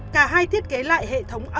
cả hai thiết kế lại hệ thống âm